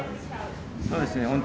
そうですね。